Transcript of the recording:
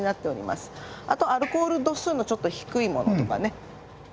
あとアルコール度数のちょっと低いものとかね。